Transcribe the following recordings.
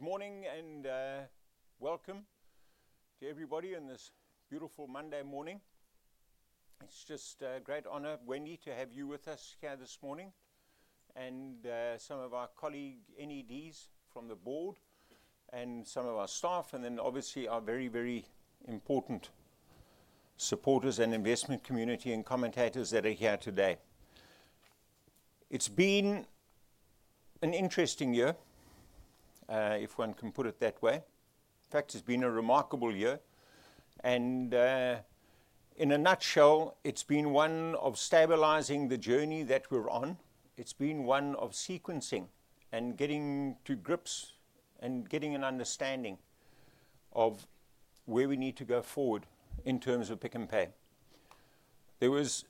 Good morning and welcome to everybody on this beautiful Monday morning. It's just a great honor, Wendy, to have you with us here this morning, and some of our colleague NEDs from the board, and some of our staff, and then obviously our very, very important supporters and investment community and commentators that are here today. It's been an interesting year, if one can put it that way. In fact, it's been a remarkable year. In a nutshell, it's been one of stabilizing the journey that we're on. It's been one of sequencing and getting to grips and getting an understanding of where we need to go forward in terms of Pick n Pay. There was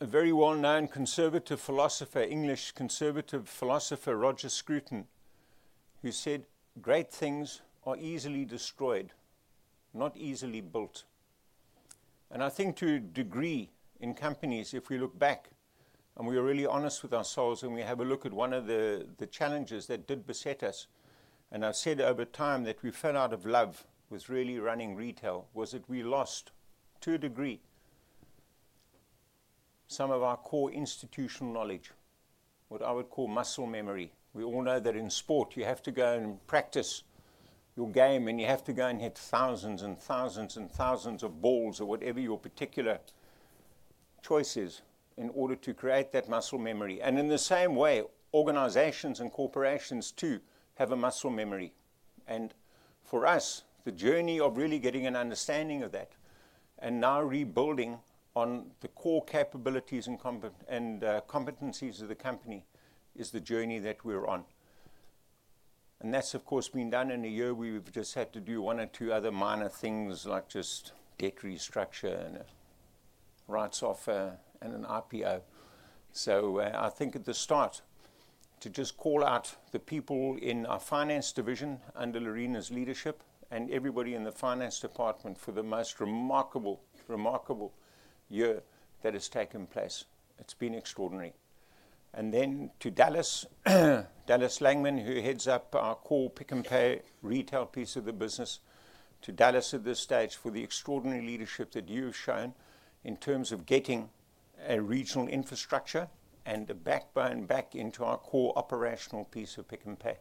a very well-known conservative philosopher, English conservative philosopher Roger Scruton, who said, "Great things are easily destroyed, not easily built." I think to a degree in companies, if we look back and we are really honest with ourselves and we have a look at one of the challenges that did beset us, and I've said over time that we fell out of love with really running retail, was that we lost to a degree some of our core institutional knowledge, what I would call muscle memory. We all know that in sport you have to go and practise your game and you have to go and hit thousands and thousands and thousands of balls or whatever your particular choice is in order to create that muscle memory. In the same way, organizations and corporations too have a muscle memory. For us, the journey of really getting an understanding of that and now rebuilding on the core capabilities and competencies of the company is the journey that we're on. That has, of course, been done in a year where we've just had to do one or two other minor things like just debt restructure and a rights offer and an IPO. I think at the start to just call out the people in our finance division under Lerena's leadership and everybody in the finance department for the most remarkable, remarkable year that has taken place. It's been extraordinary. To Dallas, Dallas Langman, who heads up our core Pick n Pay retail piece of the business, to Dallas at this stage for the extraordinary leadership that you've shown in terms of getting a regional infrastructure and a backbone back into our core operational piece of Pick n Pay,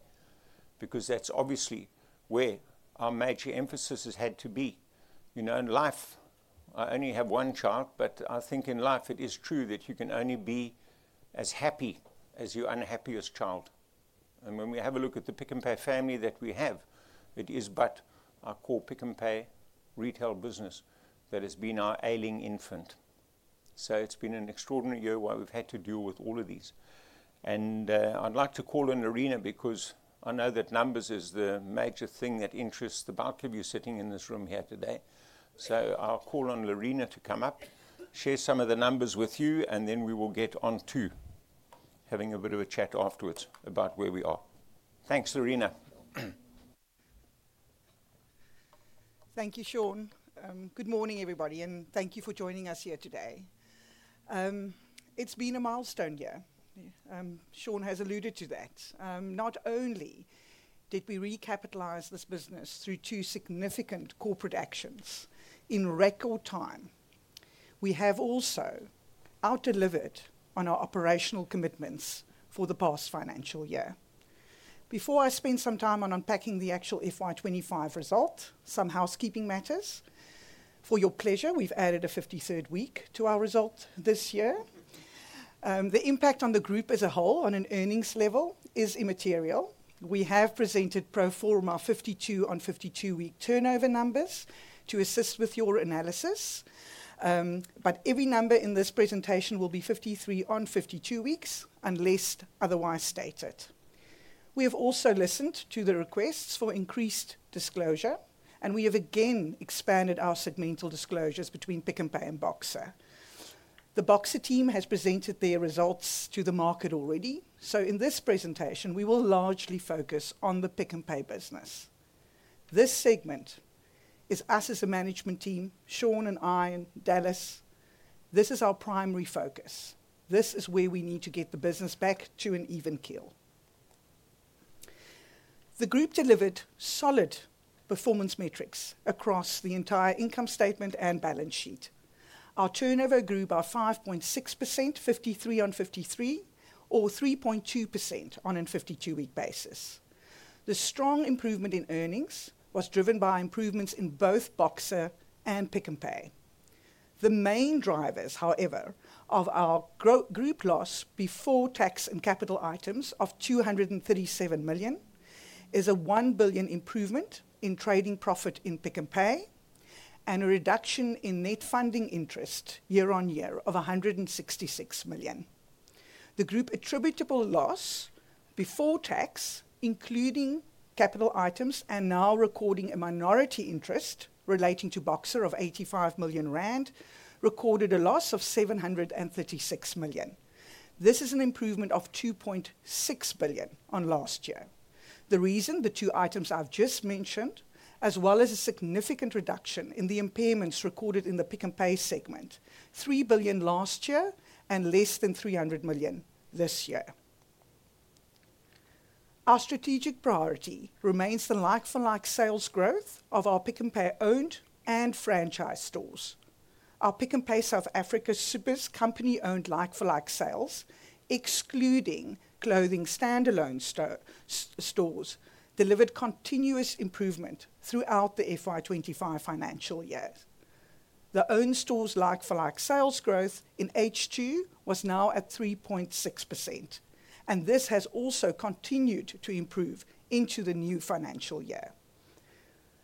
because that's obviously where our major emphasis has had to be. You know, in life, I only have one child, but I think in life it is true that you can only be as happy as your unhappiest child. And when we have a look at the Pick n Pay family that we have, it is but our core Pick n Pay retail business that has been our ailing infant. It's been an extraordinary year where we've had to deal with all of these. I'd like to call on Lerena because I know that numbers is the major thing that interests the bulk of you sitting in this room here today. I'll call on Lerena to come up, share some of the numbers with you, and then we will get on to having a bit of a chat afterwards about where we are. Thanks, Lerena. Thank you, Sean. Good morning, everybody, and thank you for joining us here today. It is been a milestone year. Sean has alluded to that. Not only did we recapitalize this business through two significant corporate actions in record time, we have also outdelivered on our operational commitments for the past financial year. Before I spend some time on unpacking the actual FY 2025 result, some housekeeping matters. For your pleasure, we have added a 53rd week to our result this year. The impact on the group as a whole, on an earnings level, is immaterial. We have presented pro forma 52-on-52 week turnover numbers to assist with your analysis, but every number in this presentation will be 53-on-52 weeks, unless otherwise stated. We have also listened to the requests for increased disclosure, and we have again expanded our segmental disclosures between Pick n Pay and Boxer. The Boxer team has presented their results to the market already, so in this presentation, we will largely focus on the Pick n Pay business. This segment is us as a management team, Sean and I and Dallas. This is our primary focus. This is where we need to get the business back to an even keel. The group delivered solid performance metrics across the entire income statement and balance sheet. Our turnover grew by 5.6%, 53 on 53, or 3.2% on a 52 week basis. The strong improvement in earnings was driven by improvements in both Boxer and Pick n Pay. The main drivers, however, of our group loss before tax and capital items of 237 million is a 1 billion improvement in trading profit in Pick n Pay and a reduction in net funding interest year-on-year of 166 million. The group attributable loss before tax, including capital items and now recording a minority interest relating to Boxer of 85 million rand, recorded a loss of 736 million. This is an improvement of 2.6 billion on last year. The reason: the two items I've just mentioned, as well as a significant reduction in the impairments recorded in the Pick n Pay segment, 3 billion last year and less than 300 million this year. Our strategic priority remains the like-for-like sales growth of our Pick n Pay owned and franchise stores. Our Pick n Pay South Africa's super company owned like-for-like sales, excluding clothing standalone stores, delivered continuous improvement throughout the 2025 financial year. The owned stores like-for-like sales growth in H2 was now at 3.6%, and this has also continued to improve into the new financial year.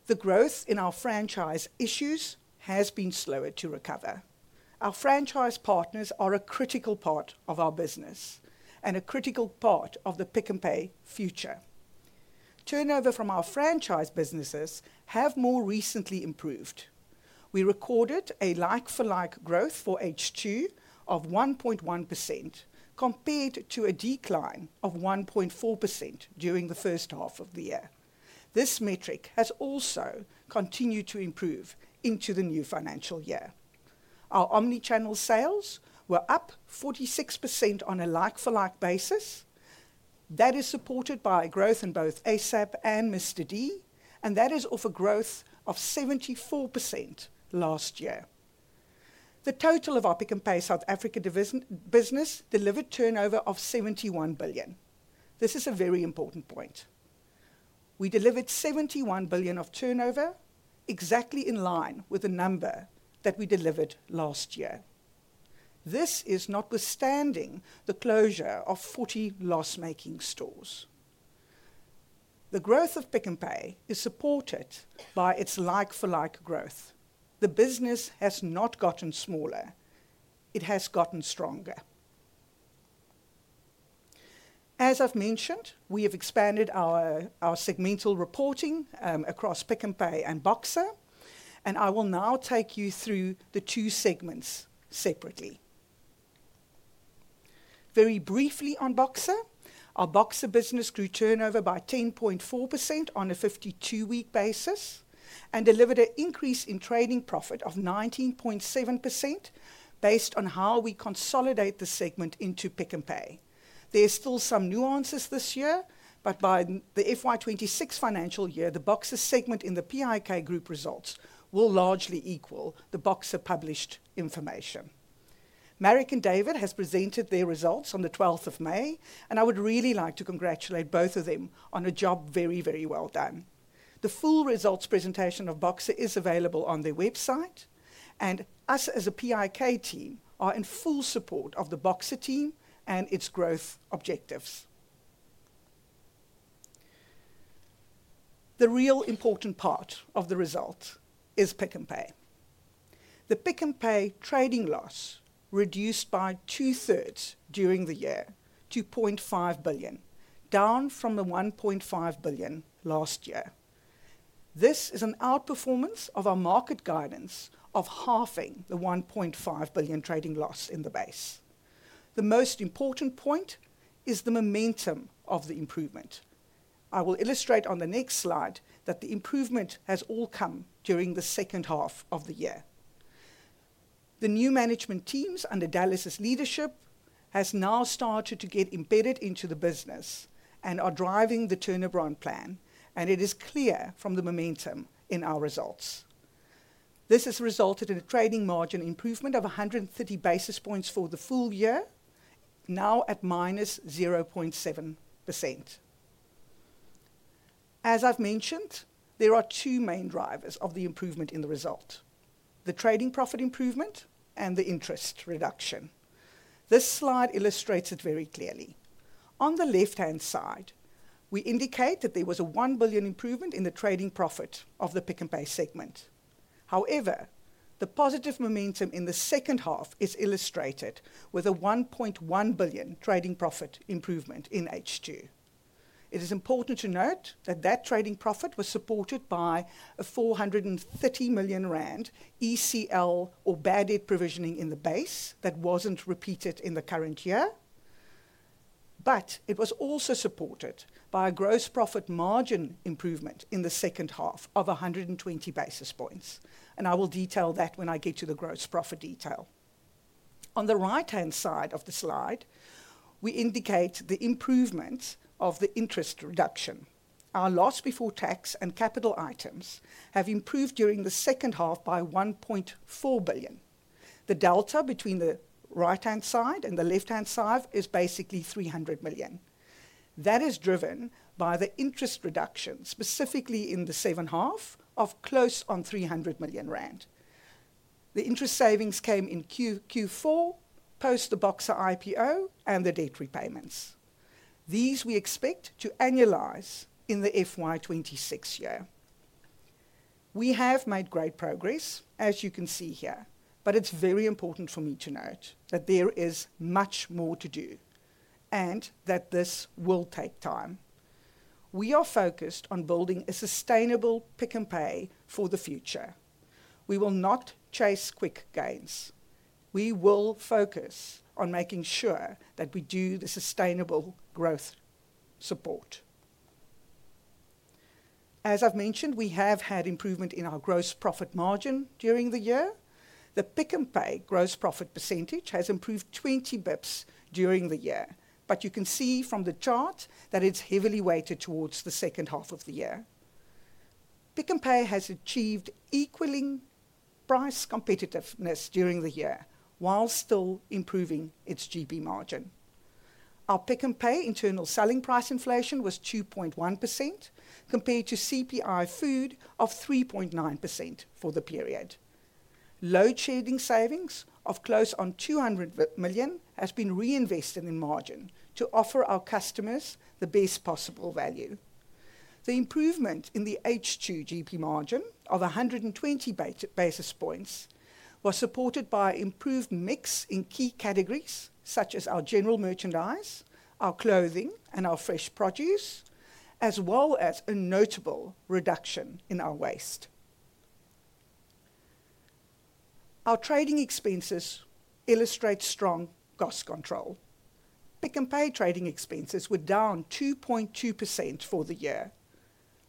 The growth in our franchise issues has been slower to recover. Our franchise partners are a critical part of our business and a critical part of the Pick n Pay future. Turnover from our franchise businesses has more recently improved. We recorded a like-for-like growth for H2 of 1.1% compared to a decline of 1.4% during the first half of the year. This metric has also continued to improve into the new financial year. Our omnichannel sales were up 46% on a like-for-like basis. That is supported by growth in both ASAP and Mr D, and that is of a growth of 74% last year. The total of our Pick n Pay South Africa business delivered turnover of 71 billion. This is a very important point. We delivered 71 billion of turnover exactly in line with the number that we delivered last year. This is notwithstanding the closure of 40 loss-making stores. The growth of Pick n Pay is supported by its like-for-like growth. The business has not gotten smaller. It has gotten stronger. As I've mentioned, we have expanded our segmental reporting across Pick n Pay and Boxer, and I will now take you through the two segments separately. Very briefly on Boxer, our Boxer business grew turnover by 10.4% on a 52 week basis and delivered an increase in trading profit of 19.7% based on how we consolidate the segment into Pick n Pay. There are still some nuances this year, but by the 2026 financial year, the Boxer segment in the Pick n Pay group results will largely equal the Boxer published information. Marek and David have presented their results on the 12th of May, and I would really like to congratulate both of them on a job very, very well done. The full results presentation of Boxer is available on their website, and us as a Pick n Pay team are in full support of the Boxer team and its growth objectives. The real important part of the result is Pick n Pay. The Pick n Pay trading loss reduced by two thirds during the year to 2.5 billion, down from the 7.5 billion last year. This is an outperformance of our market guidance of halving the 7.5 billion trading loss in the base. The most important point is the momentum of the improvement. I will illustrate on the next slide that the improvement has all come during the second half of the year. The new management teams under Dallas's leadership have now started to get embedded into the business and are driving the turnover on plan, and it is clear from the momentum in our results. This has resulted in a trading margin improvement of 130 basis points for the full year, now at - 0.7%. As I've mentioned, there are two main drivers of the improvement in the result: the trading profit improvement and the interest reduction. This slide illustrates it very clearly. On the left-hand side, we indicate that there was a 1 billion improvement in the trading profit of the Pick n Pay segment. However, the positive momentum in the second half is illustrated with a 1.1 billion trading profit improvement in H2. It is important to note that that trading profit was supported by a 430 million rand ECL or bad debt provisioning in the base that wasn't repeated in the current year, but it was also supported by a gross profit margin improvement in the second half of 120 basis points. I will detail that when I get to the gross profit detail. On the right-hand side of the slide, we indicate the improvement of the interest reduction. Our loss before tax and capital items has improved during the second half by 1.4 billion. The delta between the right-hand side and the left-hand side is basically 300 million. That is driven by the interest reduction, specifically in the second half, of close on 300 million rand. The interest savings came in Q4 post the Boxer IPO and the debt repayments. These we expect to analyze in the FY 2026 year. We have made great progress, as you can see here, but it is very important for me to note that there is much more to do and that this will take time. We are focused on building a sustainable Pick n Pay for the future. We will not chase quick gains. We will focus on making sure that we do the sustainable growth support. As I've mentioned, we have had improvement in our gross profit margin during the year. The Pick n Pay gross profit percentage has improved 20 basis points during the year, but you can see from the chart that it's heavily weighted towards the second half of the year. Pick n Pay has achieved equaling price competitiveness during the year while still improving its gross profit margin. Our Pick n Pay internal selling price inflation was 2.1% compared to CPI food of 3.9% for the period. Load shedding savings of close on 200 million has been reinvested in margin to offer our customers the best possible value. The improvement in the H2 GP margin of 120 basis points was supported by improved mix in key categories such as our general merchandise, our clothing, and our fresh produce, as well as a notable reduction in our waste. Our trading expenses illustrate strong cost control. Pick n Pay trading expenses were down 2.2% for the year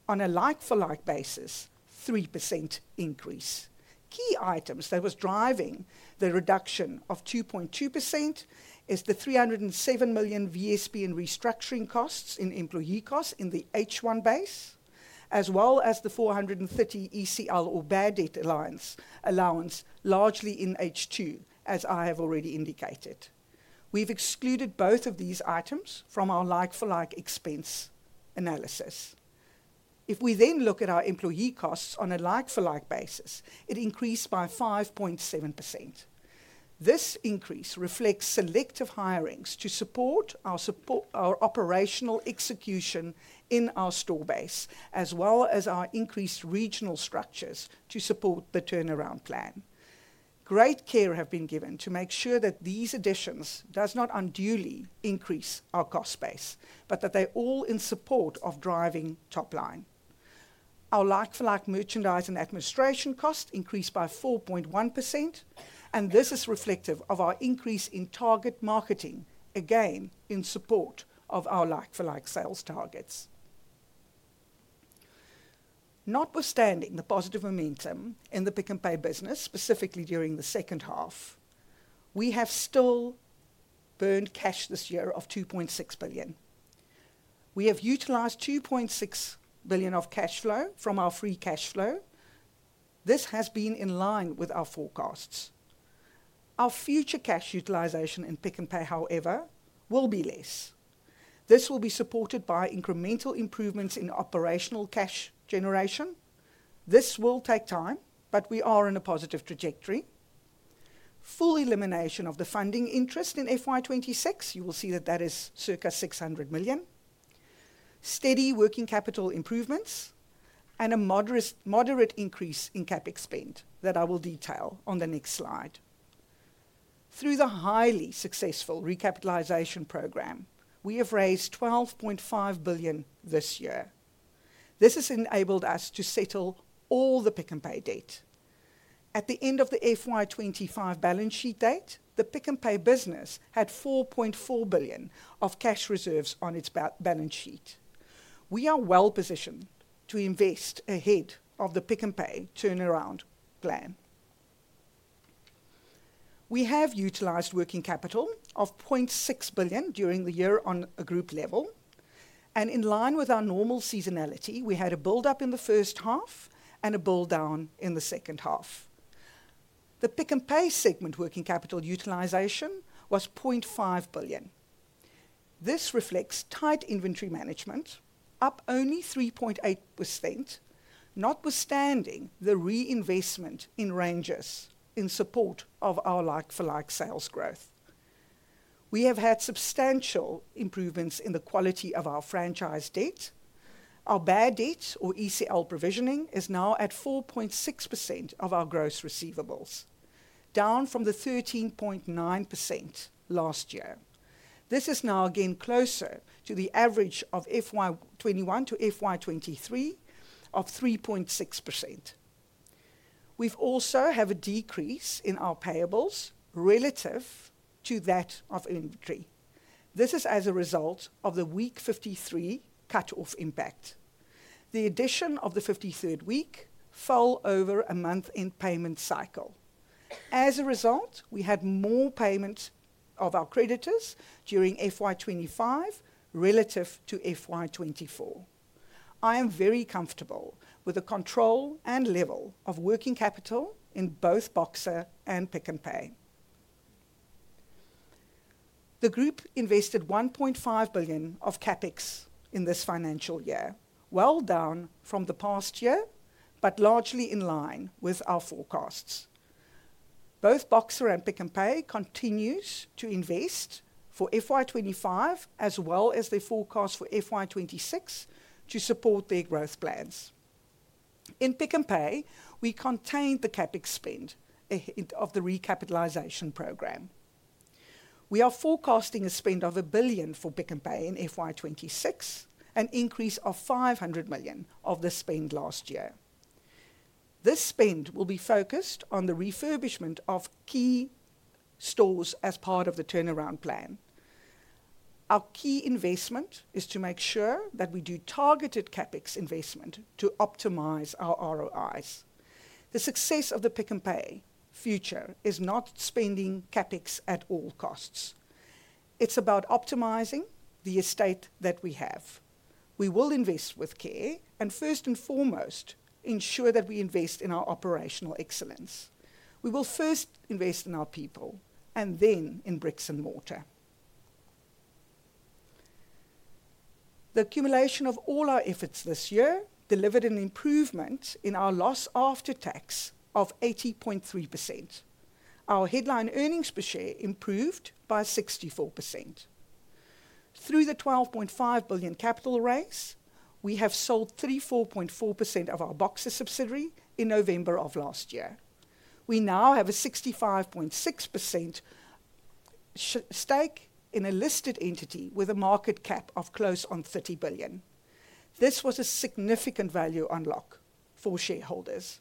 on a like-for-like basis, 3% increase. Key items that were driving the reduction of 2.2% is the 307 million VSB and restructuring costs in employee costs in the H1 base, as well as the 430 million ECL or bad debt allowance, largely in H2, as I have already indicated. We've excluded both of these items from our like-for-like expense analysis. If we then look at our employee costs on a like-for-like basis, it increased by 5.7%. This increase reflects selective hirings to support our operational execution in our store base, as well as our increased regional structures to support the turnaround plan. Great care has been given to make sure that these additions do not unduly increase our cost base, but that they are all in support of driving top line. Our like-for-like merchandise and administration costs increased by 4.1%, and this is reflective of our increase in target marketing, again in support of our like-for-like sales targets. Notwithstanding the positive momentum in the Pick n Pay business, specifically during the second half, we have still burned cash this year of 2.6 billion. We have utilised 2.6 billion of cash flow from our free cash flow. This has been in line with our forecasts. Our future cash utilisation in Pick n Pay, however, will be less. This will be supported by incremental improvements in operational cash generation. This will take time, but we are on a positive trajectory. Full elimination of the funding interest in FY 2026, you will see that that is circa 600 million. Steady working capital improvements and a moderate increase in CapEx that I will detail on the next slide. Through the highly successful recapitalization program, we have raised 12.5 billion this year. This has enabled us to settle all the Pick n Pay debt. At the end of the FY 2025 balance sheet date, the Pick n Pay business had 4.4 billion of cash reserves on its balance sheet. We are well positioned to invest ahead of the Pick n Pay turnaround plan. We have utilised working capital of 0.6 billion during the year on a group level, and in line with our normal seasonality, we had a build-up in the first half and a build-down in the second half. The Pick n Pay segment working capital utilisation was 0.5 billion. This reflects tight inventory management, up only 3.8%, notwithstanding the reinvestment in ranges in support of our like-for-like sales growth. We have had substantial improvements in the quality of our franchise debt. Our bad debt, or ECL provisioning, is now at 4.6% of our gross receivables, down from the 13.9% last year. This is now again closer to the average of FY 2021 - FY 2023 of 3.6%. We also have a decrease in our payables relative to that of inventory. This is as a result of the week 53 cut-off impact, the addition of the 53rd week fall over a month in payment cycle. As a result, we had more payment of our creditors during FY 2025 relative to FY 2024. I am very comfortable with the control and level of working capital in both Boxer and Pick n Pay. The group invested 1.5 billion of CapEx in this financial year, well down from the past year, but largely in line with our forecasts. Both Boxer and Pick n Pay continue to invest for FY 2025, as well as their forecast for FY 2026, to support their growth plans. In Pick n Pay, we contained the CapEx spend of the recapitalisation program. We are forecasting a spend of 1 billion for Pick n Pay in FY 2026, an increase of 500 million of the spend last year. This spend will be focused on the refurbishment of key stores as part of the turnaround plan. Our key investment is to make sure that we do targeted CapEx investment to optimize our ROIs. The success of the Pick n Pay future is not spending CapEx at all costs. It's about optimizing the estate that we have. We will invest with care and, first and foremost, ensure that we invest in our operational excellence. We will first invest in our people and then in bricks and mortar. The accumulation of all our efforts this year delivered an improvement in our loss after tax of 80.3%. Our headline earnings per share improved by 64%. Through the $12.5 billion capital raise, we have sold 34.4% of our Boxer subsidiary in November of last year. We now have a 65.6% stake in a listed entity with a market cap of close on $30 billion. This was a significant value unlock for shareholders.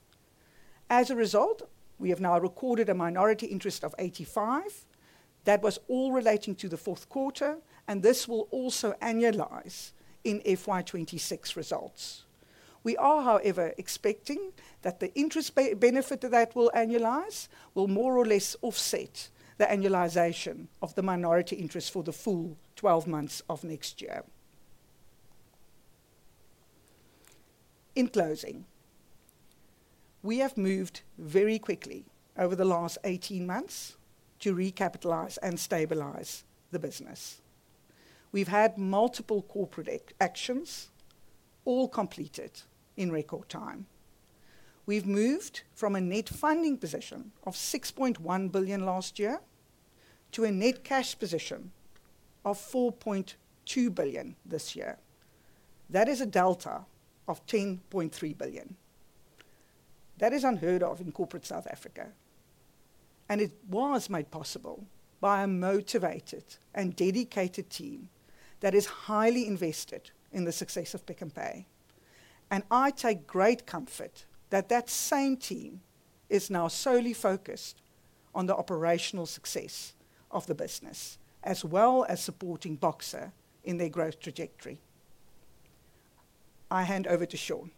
As a result, we have now recorded a minority interest of $85. That was all relating to the fourth quarter, and this will also annualise in FY 2026 results. We are, however, expecting that the interest benefit that will annualise will more or less offset the annualisation of the minority interest for the full 12 months of next year. In closing, we have moved very quickly over the last 18 months to recapitalise and stabilise the business. We've had multiple corporate actions all completed in record time. We've moved from a net funding position of $6.1 billion last year to a net cash position of $4.2 billion this year. That is a delta of $10.3 billion. That is unheard of in corporate South Africa, and it was made possible by a motivated and dedicated team that is highly invested in the success of Pick n Pay. I take great comfort that that same team is now solely focused on the operational success of the business, as well as supporting Boxer in their growth trajectory. I hand over to Sean.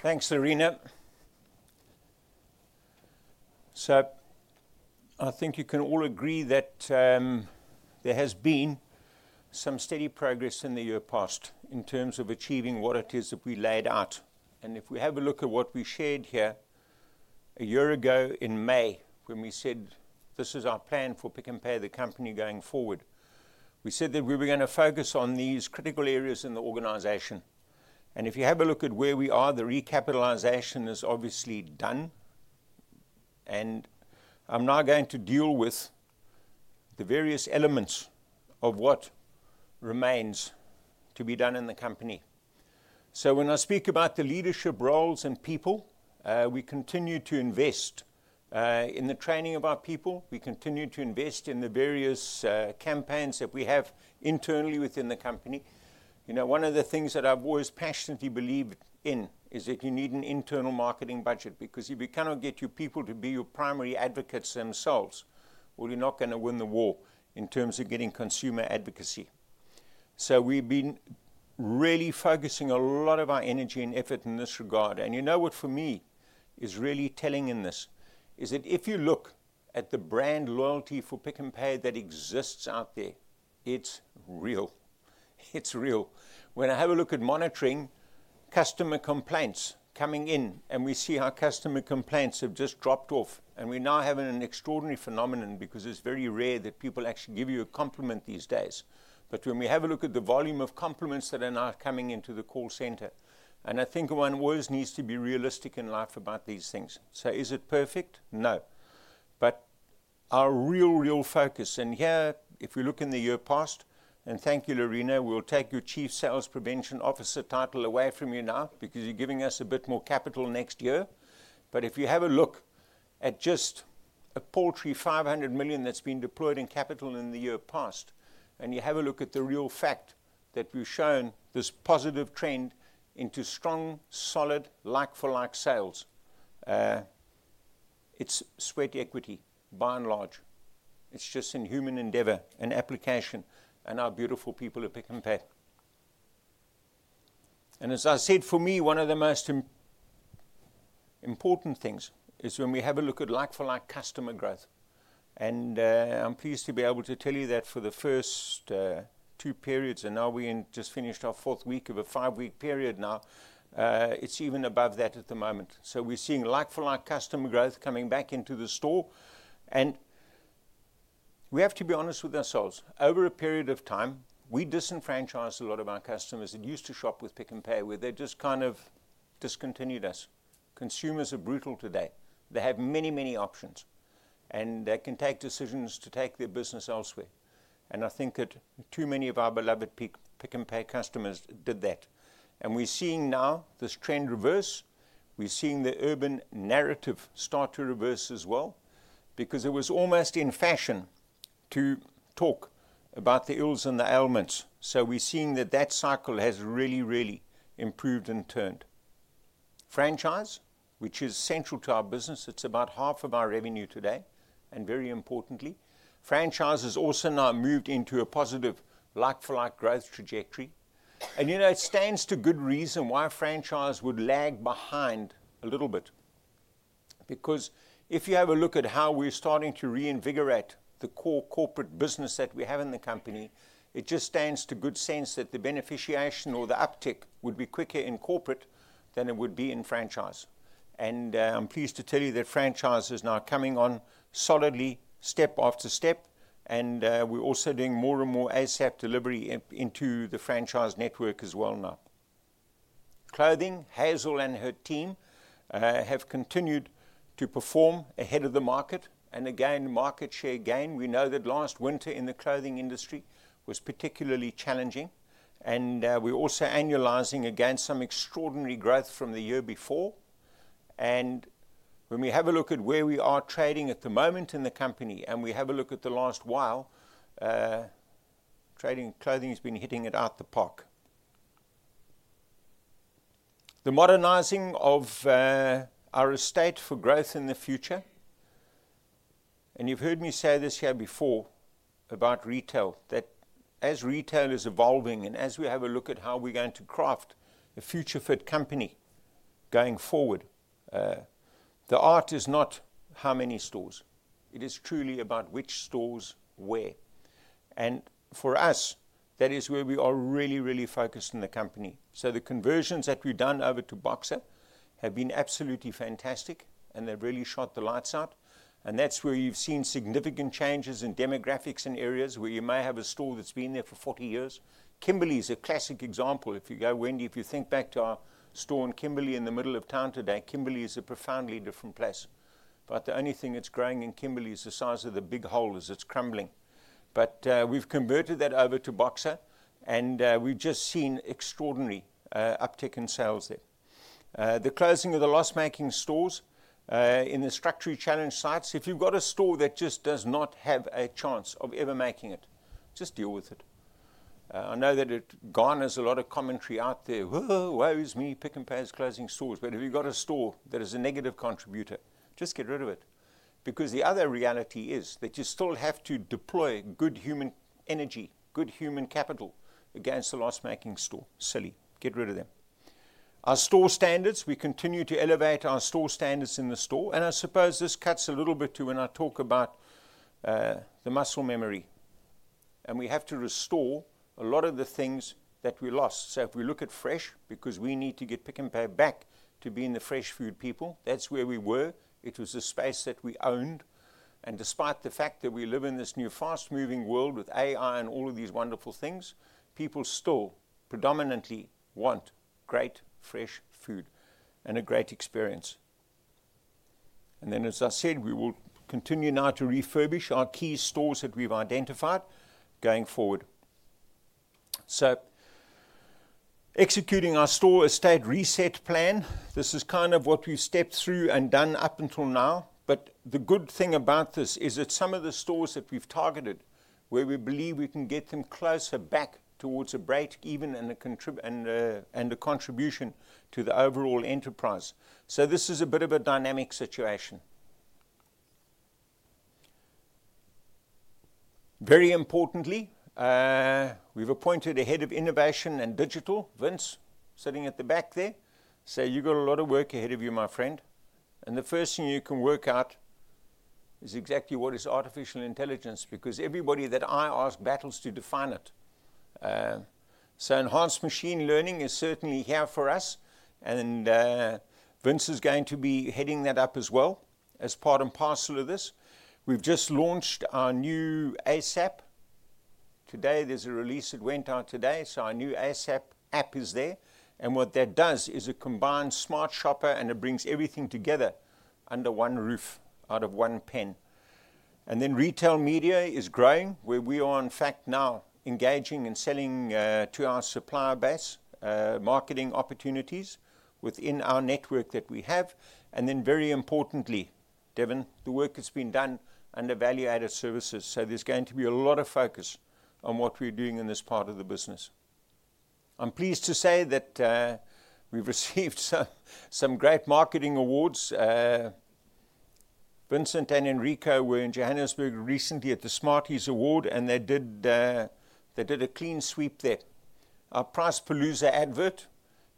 Thanks, Lorena. I think you can all agree that there has been some steady progress in the year past in terms of achieving what it is that we laid out. If we have a look at what we shared here a year ago in May, when we said, "This is our plan for Pick n Pay, the company going forward," we said that we were going to focus on these critical areas in the organisation. If you have a look at where we are, the recapitalisation is obviously done, and I'm now going to deal with the various elements of what remains to be done in the company. When I speak about the leadership roles and people, we continue to invest in the training of our people. We continue to invest in the various campaigns that we have internally within the company. You know, one of the things that I've always passionately believed in is that you need an internal marketing budget, because if you cannot get your people to be your primary advocates themselves, you're not going to win the war in terms of getting consumer advocacy. We have been really focusing a lot of our energy and effort in this regard. You know what for me is really telling in this is that if you look at the brand loyalty for Pick n Pay that exists out there, it's real. It's real. When I have a look at monitoring customer complaints coming in, and we see our customer complaints have just dropped off, and we're now having an extraordinary phenomenon because it's very rare that people actually give you a compliment these days. When we have a look at the volume of compliments that are now coming into the call centre, I think one always needs to be realistic in life about these things. Is it perfect? No. Our real, real focus, and here, if we look in the year past, and thank you, Lorena, we'll take your Chief Sales Prevention Officer title away from you now because you're giving us a bit more capital next year. If you have a look at just a paltry 500 million that's been deployed in capital in the year past, and you have a look at the real fact that we've shown this positive trend into strong, solid, like-for-like sales, it's sweat equity, by and large. It's just inhuman endeavor and application and our beautiful people at Pick n Pay. As I said, for me, one of the most important things is when we have a look at like-for-like customer growth. I'm pleased to be able to tell you that for the first two periods, and now we just finished our fourth week of a five-week period now, it's even above that at the moment. We're seeing like-for-like customer growth coming back into the store. We have to be honest with ourselves. Over a period of time, we disenfranchised a lot of our customers that used to shop with Pick n Pay, where they just kind of discontinued us. Consumers are brutal today. They have many, many options, and they can take decisions to take their business elsewhere. I think that too many of our beloved Pick n Pay customers did that. We're seeing now this trend reverse. We're seeing the urban narrative start to reverse as well, because it was almost in fashion to talk about the ills and the ailments. We're seeing that that cycle has really, really improved and turned. Franchise, which is central to our business, it's about half of our revenue today, and very importantly, franchise has also now moved into a positive like-for-like growth trajectory. You know, it stands to good reason why franchise would lag behind a little bit, because if you have a look at how we're starting to reinvigorate the core corporate business that we have in the company, it just stands to good sense that the beneficiation or the uptick would be quicker in corporate than it would be in franchise. I'm pleased to tell you that franchise is now coming on solidly, step after step, and we're also doing more and more ASAP delivery into the franchise network as well now. Clothing, Hazel and her team have continued to perform ahead of the market, and again, market share gain. We know that last winter in the clothing industry was particularly challenging, and we are also annualising against some extraordinary growth from the year before. When we have a look at where we are trading at the moment in the company, and we have a look at the last while, trading clothing has been hitting it out the park. The modernising of our estate for growth in the future, and you have heard me say this here before about retail, that as retail is evolving and as we have a look at how we are going to craft a future-fit company going forward, the art is not how many stores. It is truly about which stores where. For us, that is where we are really, really focused in the company. The conversions that we've done over to Boxer have been absolutely fantastic, and they've really shot the lights out. That's where you've seen significant changes in demographics in areas where you may have a store that's been there for 40 years. Kimberley is a classic example. If you go, Wendy, if you think back to our store in Kimberley in the middle of town today, Kimberley is a profoundly different place. The only thing that's growing in Kimberley is the size of the big holes, it's crumbling. We've converted that over to Boxer, and we've just seen extraordinary uptick in sales there. The closing of the loss-making stores in the structurally challenged sites, if you've got a store that just does not have a chance of ever making it, just deal with it. I know that it garners a lot of commentary out there, "Whoa, whoa, whoa, it's me, Pick n Pay's closing stores." If you've got a store that is a negative contributor, just get rid of it. The other reality is that you still have to deploy good human energy, good human capital against the loss-making store. Silly. Get rid of them. Our store standards, we continue to elevate our store standards in the store. I suppose this cuts a little bit to when I talk about the muscle memory. We have to restore a lot of the things that we lost. If we look at Fresh, because we need to get Pick n Pay back to being the fresh food people, that's where we were. It was the space that we owned. Despite the fact that we live in this new fast-moving world with AI and all of these wonderful things, people still predominantly want great fresh food and a great experience. As I said, we will continue now to refurbish our key stores that we have identified going forward. Executing our store estate reset plan, this is kind of what we have stepped through and done up until now. The good thing about this is that some of the stores that we have targeted, where we believe we can get them closer back towards a break even in the contribution to the overall enterprise. This is a bit of a dynamic situation. Very importantly, we have appointed a Head of Innovation and Digital, Vince, sitting at the back there. You have a lot of work ahead of you, my friend. The first thing you can work out is exactly what is artificial intelligence, because everybody that I ask battles to define it. Enhanced machine learning is certainly here for us, and Vince is going to be heading that up as well as part and parcel of this. We have just launched our new ASAP. Today, there is a release that went out today, so our new ASAP app is there. What that does is it combines Smart Shopper, and it brings everything together under one roof out of one pen. Retail media is growing, where we are, in fact, now engaging and selling to our supplier base marketing opportunities within our network that we have. Very importantly, Devon, the work that has been done under value-added services. There is going to be a lot of focus on what we are doing in this part of the business. I'm pleased to say that we've received some great marketing awards. Vincent and Enrico were in Johannesburg recently at the Smarties Award, and they did a clean sweep there. Our price per loser advert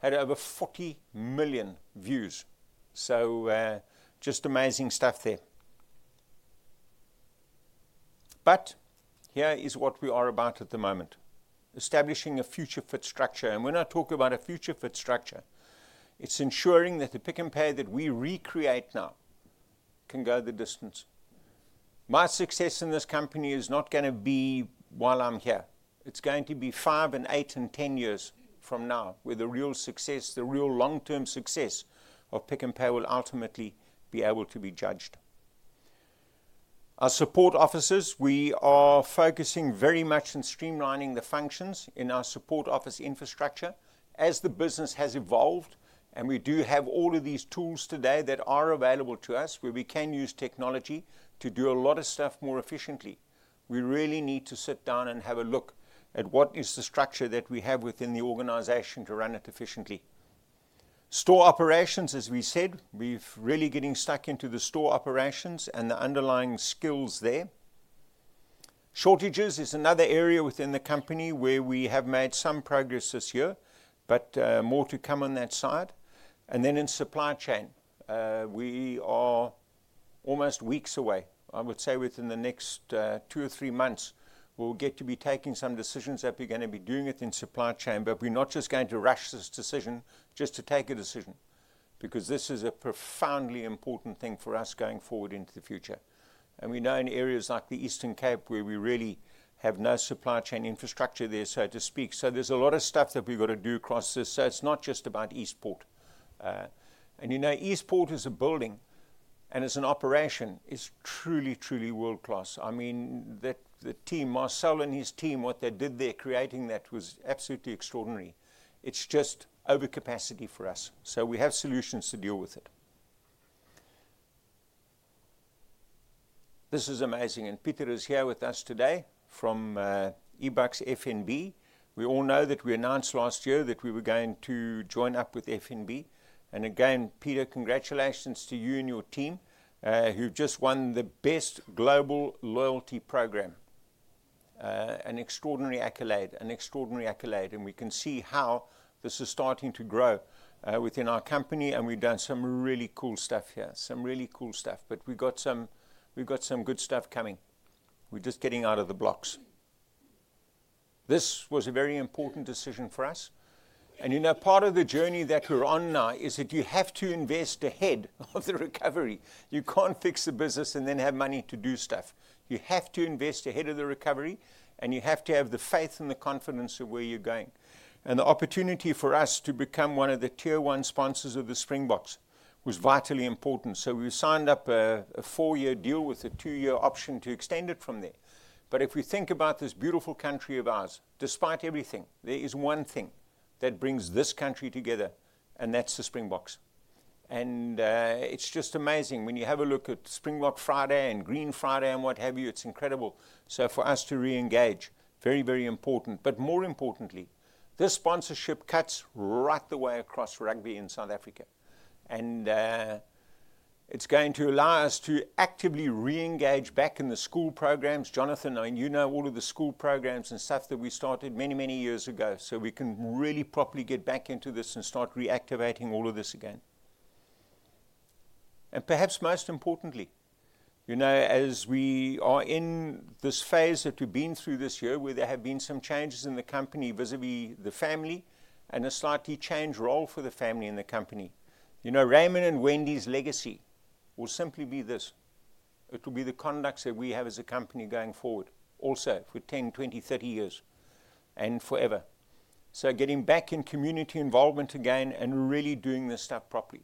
had over 40 million views. Just amazing stuff there. Here is what we are about at the moment: establishing a future-fit structure. When I talk about a future-fit structure, it's ensuring that the Pick n Pay that we recreate now can go the distance. My success in this company is not going to be while I'm here. It's going to be five and eight and ten years from now, where the real success, the real long-term success of Pick n Pay will ultimately be able to be judged. Our support offices, we are focusing very much in streamlining the functions in our support office infrastructure as the business has evolved. We do have all of these tools today that are available to us, where we can use technology to do a lot of stuff more efficiently. We really need to sit down and have a look at what is the structure that we have within the organization to run it efficiently. Store operations, as we said, we're really getting stuck into the store operations and the underlying skills there. Shortages is another area within the company where we have made some progress this year, but more to come on that side. In supply chain, we are almost weeks away. I would say within the next two or three months, we'll get to be taking some decisions that we're going to be doing within supply chain. We're not just going to rush this decision just to take a decision, because this is a profoundly important thing for us going forward into the future. We know in areas like the Eastern Cape, where we really have no supply chain infrastructure there, so to speak. There's a lot of stuff that we've got to do across this. It's not just about Eastport. You know, Eastport is a building, and as an operation, it's truly, truly world-class. I mean, the team, Marcel and his team, what they did there creating that was absolutely extraordinary. It's just overcapacity for us. We have solutions to deal with it. This is amazing. Peter is here with us today from eBucks FnB.. We all know that we announced last year that we were going to join up with FnB. Peter, congratulations to you and your team, who've just won the best global loyalty program. An extraordinary accolade, an extraordinary accolade. We can see how this is starting to grow within our company, and we've done some really cool stuff here, some really cool stuff. We've got some good stuff coming. We're just getting out of the blocks. This was a very important decision for us. You know, part of the journey that we're on now is that you have to invest ahead of the recovery. You can't fix the business and then have money to do stuff. You have to invest ahead of the recovery, and you have to have the faith and the confidence of where you're going. The opportunity for us to become one of the tier one sponsors of the Springboks was vitally important. We signed up a four-year deal with a two-year option to extend it from there. If we think about this beautiful country of ours, despite everything, there is one thing that brings this country together, and that's the Springboks. It's just amazing. When you have a look at Springbok Friday and Green Friday and what have you, it's incredible. For us to reengage, very, very important. More importantly, this sponsorship cuts right the way across rugby in South Africa. It's going to allow us to actively reengage back in the school programs. Jonathan, I mean, you know all of the school programs and stuff that we started many, many years ago. We can really properly get back into this and start reactivating all of this again. Perhaps most importantly, you know, as we are in this phase that we've been through this year, where there have been some changes in the company vis-à-vis the family and a slightly changed role for the family in the company. You know, Raymond and Wendy's legacy will simply be this. It will be the conduct that we have as a company going forward, also for 10 years, 20 years, 30 years, and forever. Getting back in community involvement again and really doing this stuff properly.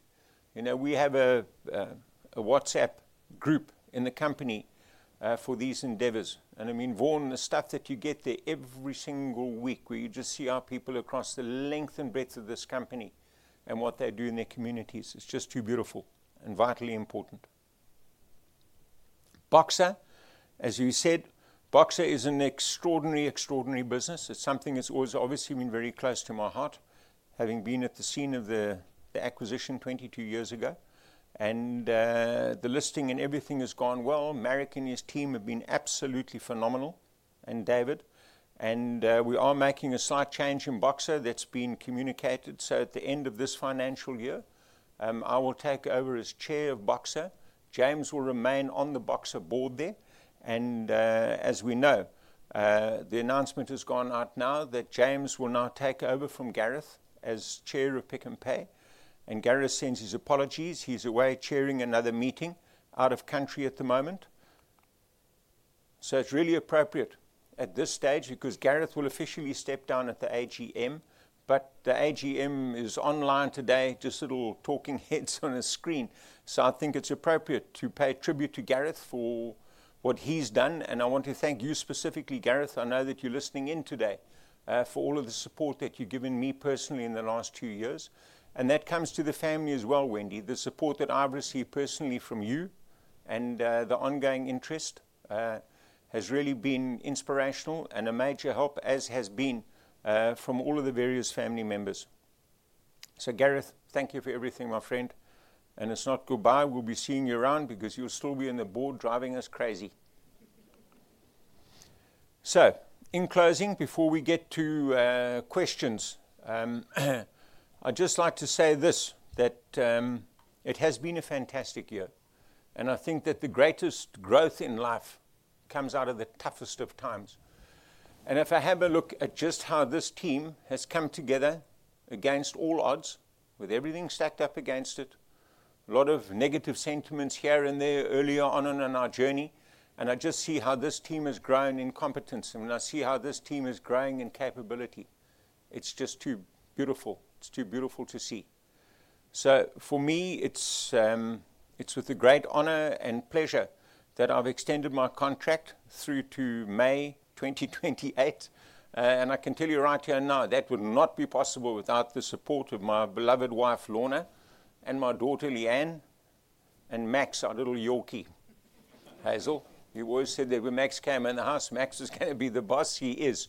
You know, we have a WhatsApp group in the company for these endeavors. I mean, Vaughan, the stuff that you get there every single week, where you just see our people across the length and breadth of this company and what they do in their communities, it's just too beautiful and vitally important. Boxer, as you said, Boxer is an extraordinary, extraordinary business. It's something that's always obviously been very close to my heart, having been at the scene of the acquisition 22 years ago. The listing and everything has gone well. Marek and his team have been absolutely phenomenal, and David. We are making a slight change in Boxer that's been communicated. At the end of this financial year, I will take over as Chair of Boxer. James will remain on the Boxer board there. As we know, the announcement has gone out now that James will now take over from Gareth as Chair of Pick n Pay. Gareth sends his apologies. He's away chairing another meeting out of country at the moment. It's really appropriate at this stage because Gareth will officially step down at the AGM. The AGM is online today, just little talking heads on a screen. I think it's appropriate to pay tribute to Gareth for what he's done. I want to thank you specifically, Gareth. I know that you're listening in today for all of the support that you've given me personally in the last two years. That comes to the family as well, Wendy, the support that I've received personally from you and the ongoing interest has really been inspirational and a major help, as has been from all of the various family members. Gareth, thank you for everything, my friend. It's not goodbye. We'll be seeing you around because you'll still be on the board driving us crazy. In closing, before we get to questions, I'd just like to say this: it has been a fantastic year. I think that the greatest growth in life comes out of the toughest of times. If I have a look at just how this team has come together against all odds, with everything stacked up against it, a lot of negative sentiments here and there earlier on in our journey, and I just see how this team has grown in competence. When I see how this team is growing in capability, it's just too beautiful. It's too beautiful to see. For me, it's with great honor and pleasure that I've extended my contract through to May 2028. I can tell you right here now, that would not be possible without the support of my beloved wife, Lorna, and my daughter, Leanne, and Max, our little Yorkie. Hazel, you always said that when Max came in the house, Max is going to be the boss. He is.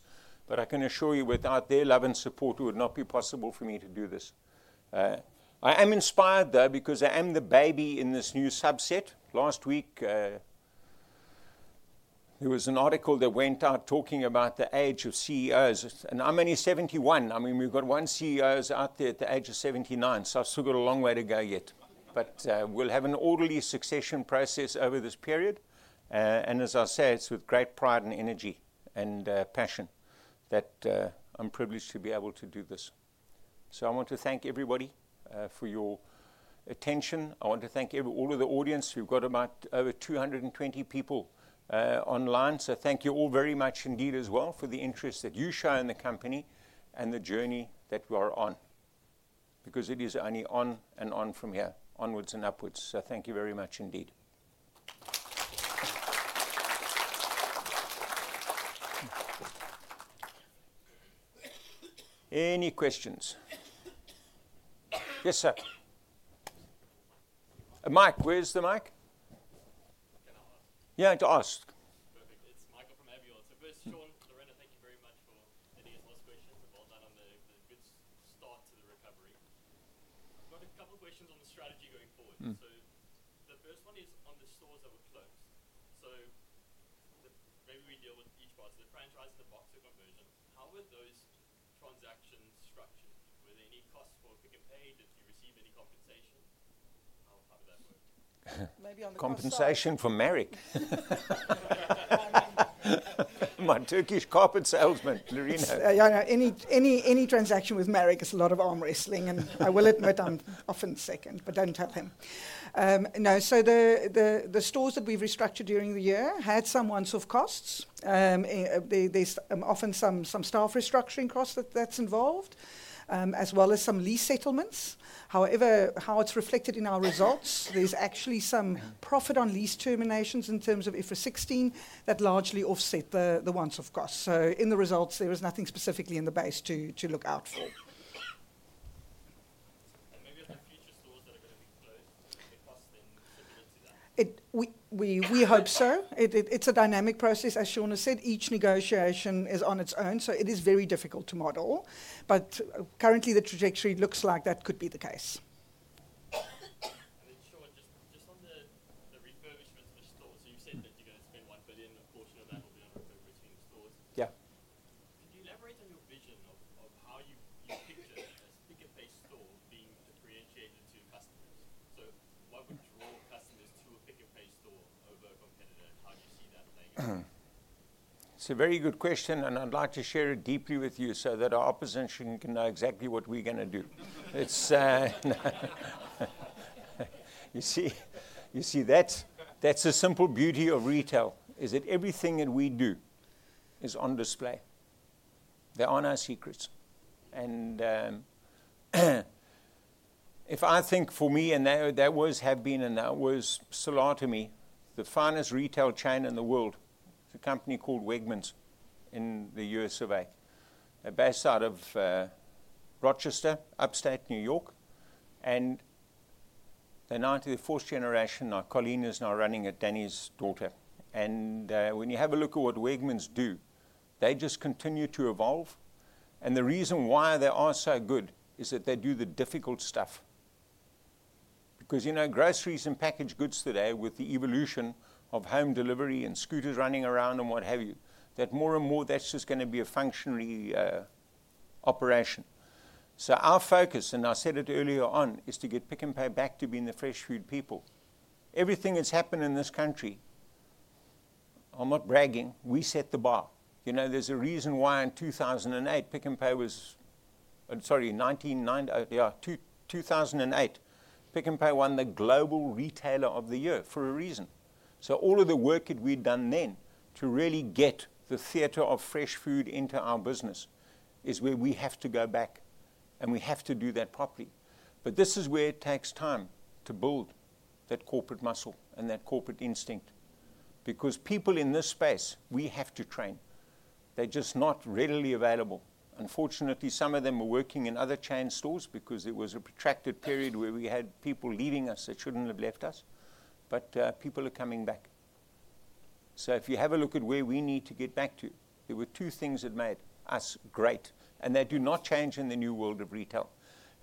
I can assure you, without their love and support, it would not be possible for me to do this. I am inspired, though, because I am the baby in this new subset. Last week, there was an article that went out talking about the age of CEOs. I am only 71. I mean, we have got one CEO out there at the age of 79. I have still got a long way to go yet. We will have an orderly succession process over this period. As I say, it is with great pride and energy and passion that I am privileged to be able to do this. I want to thank everybody for your attention. I want to thank all of the audience. We have got about over 220 people online. Thank you all very much indeed as well for the interest that you show in the company and the journey that we are on, because it is only on and on from here, onwards and upwards. Thank you very much indeed. Any questions? Yes, sir. Mike, where's the mic? Yeah, to ask. as well as some lease settlements. However, how it's reflected in our results, there's actually some profit on lease terminations in terms of IFRS 16 that largely offset the once-off costs. In the results, there was nothing specifically in the base to look out for. Maybe on the future stores that are going to be closed, what are the costs then similar to that? We hope so. It's a dynamic process, as Sean has said. Each negotiation is on its own, so it is very difficult to model. Currently, the trajectory looks like that could be the case. Then, Sean, just on the refurbishments for stores. You have said that you are going to spend ZAR 1 billion. A portion of that will be on refurbishing stores. Yeah. Could you elaborate on your vision of how you picture a Pick n Pay store being differentiated to customers? What would draw customers to a Pick n Pay store over a competitor, and how do you see that playing out? It is a very good question, and I would like to share it deeply with you so that our opposition can know exactly what we are going to do. You see, that is the simple beauty of retail, that everything that we do is on display. They are on our secrets. If I think for me, and that always has been, and that always stood out to me, the finest retail chain in the world is a company called Wegmans in the U.S., based out of Rochester, upstate New York. They are now to the fourth generation. Colleen is now running it, Danny's daughter. When you have a look at what Wegmans do, they just continue to evolve. The reason why they are so good is that they do the difficult stuff. Groceries and packaged goods today, with the evolution of home delivery and scooters running around and what have you, more and more that's just going to be a functionary operation. Our focus, and I said it earlier on, is to get Pick n Pay back to being the fresh food people. Everything that's happened in this country, I'm not bragging, we set the bar. There's a reason why in 2008, Pick n Pay was, sorry, 2008, Pick n Pay won the global retailer of the year for a reason. All of the work that we'd done then to really get the theatre of fresh food into our business is where we have to go back, and we have to do that properly. This is where it takes time to build that corporate muscle and that corporate instinct. Because people in this space, we have to train. They're just not readily available. Unfortunately, some of them are working in other chain stores because it was a protracted period where we had people leaving us that shouldn't have left us. People are coming back. If you have a look at where we need to get back to, there were two things that made us great, and they do not change in the new world of retail.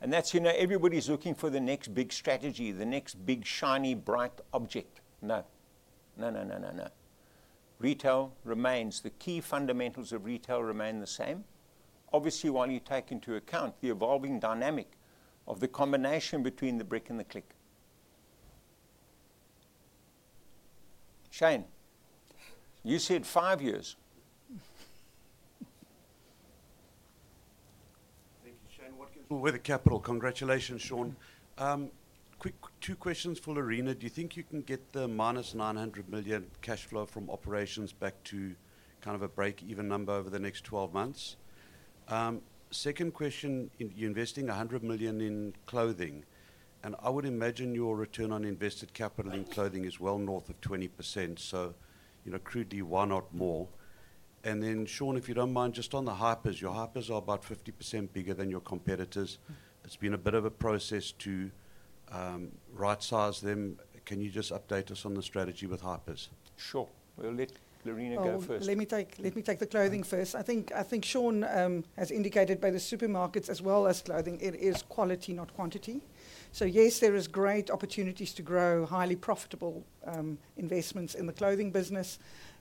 That is, everybody is looking for the next big strategy, the next big shiny bright object. No. No, no, no, no, no. Retail remains. The key fundamentals of retail remain the same, obviously, while you take into account the evolving dynamic of the combination between the brick and the click. Shane, you said five years. Thank you. Shane, what gives you? We are the capital. Congratulations, Sean. Quick, two questions for Lorena. Do you think you can get the minus 900 million cash flow from operations back to kind of a break-even number over the next 12 months? Second question, you are investing 100 million in clothing. I would imagine your return on invested capital in clothing is well north of 20%. Crudely, why not more? Sean, if you do not mind, just on the Hypers, your Hypers are about 50% bigger than your competitors. It has been a bit of a process to right-size them. Can you update us on the strategy with Hypers? Sure. We will let Lorena go first. Let me take the clothing first. I think Sean has indicated by the supermarkets as well as clothing, it is quality, not quantity. Yes, there are great opportunities to grow highly profitable investments in the clothing business.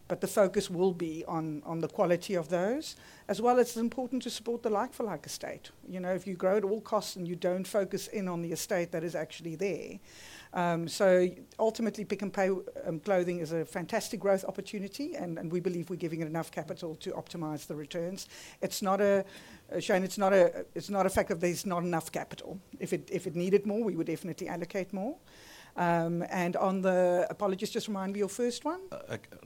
The focus will be on the quality of those, as well as it is important to support the like-for-like estate. If you grow at all costs and you do not focus in on the estate that is actually there. Pick n Pay Clothing is a fantastic growth opportunity, and we believe we're giving it enough capital to optimize the returns. Shane, it's not a fact that there's not enough capital. If it needed more, we would definitely allocate more. On the apologies, just remind me your first one.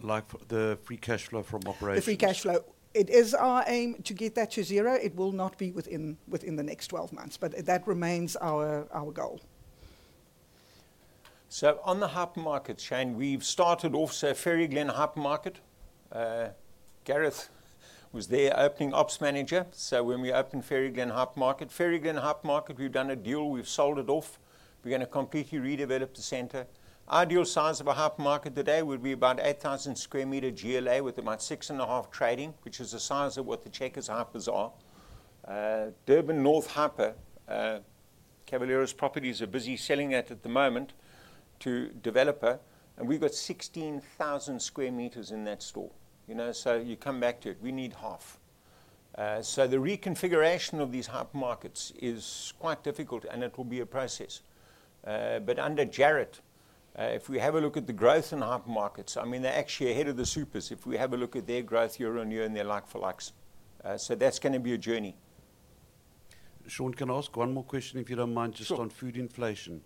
Like the free cash flow from operations. The free cash flow. It is our aim to get that to zero. It will not be within the next 12 months, but that remains our goal. On the Hypers market, Shane, we've started off Faerie Glen Hypermarket. Gareth was there, opening ops manager. When we opened Faerie Glen Hypermarket, we've done a deal. We've sold it off. We're going to completely redevelop the center. Ideal size of a Hypermarket today would be about 8,000 square metre GLA with about six and a half trading, which is the size of what the Checkers Hypers are. Durban North Hyper, Cavaleros Properties are busy selling that at the moment to developer. And we've got 16,000m² in that store. You come back to it, we need half. The reconfiguration of these Hypermarkets is quite difficult, and it will be a process. Under Jared, if we have a look at the growths in Hypermarkets, I mean, they're actually ahead of the supers. If we have a look at their growth year on year and their like-for-likes. That's going to be a journey. Sean, can I ask one more question, if you don't mind, just on food inflation?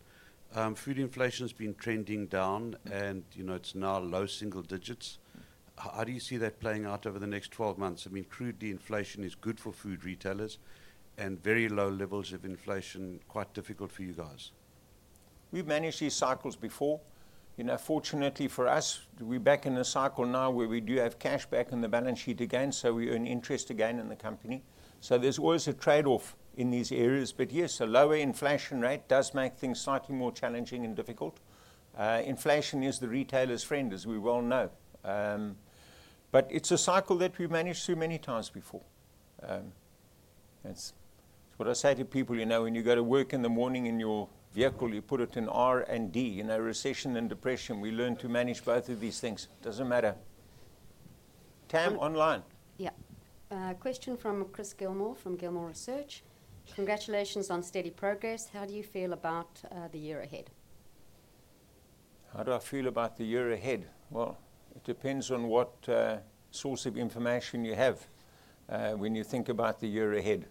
Food inflation has been trending down, and it's now low single digits. How do you see that playing out over the next 12 months? I mean, crudely, inflation is good for food retailers and very low levels of inflation, quite difficult for you guys. We've managed these cycles before. Fortunately for us, we're back in a cycle now where we do have cash back in the balance sheet again, so we earn interest again in the company. There is always a trade-off in these areas. Yes, a lower inflation rate does make things slightly more challenging and difficult. Inflation is the retailer's friend, as we well know. It is a cycle that we've managed so many times before. That is what I say to people. When you go to work in the morning in your vehicle, you put it in R&D, recession and depression. We learn to manage both of these things. It does not matter. Tam, online. Yeah. Question from Chris Gilmore from Gilmore Research. Congratulations on steady progress. How do you feel about the year ahead? How do I feel about the year ahead? It depends on what source of information you have when you think about the year ahead.